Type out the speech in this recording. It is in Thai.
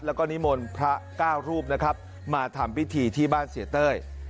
แล้วก็นิมนต์พระเก้ารูปนะครับมาทำพิธีที่บ้านเสียเต้ย